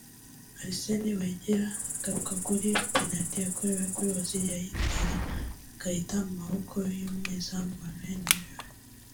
Arsene Wenger agaruka kuri penaliti yakorewe kuri Özil yayitera akayita mu maboko y’umunyezamu Manuel Neuer